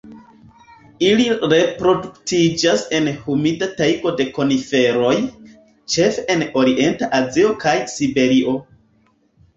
Ili reproduktiĝas en humida tajgo de koniferoj, ĉefe en orienta Azio kaj Siberio.